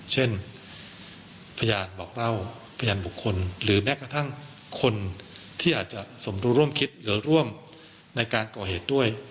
เช่นพยานบอกเล่าพยานบุคคลหรือแม้กระทั่งคนที่อาจจะสมรู้ร่วมคิดหรือร่วมในการก่อเหตุด้วย